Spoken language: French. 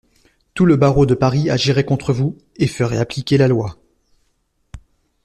Tout le barreau de Paris agirait contre vous, et ferait appliquer la loi!